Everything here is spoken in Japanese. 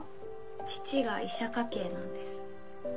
父が医者家系なんです。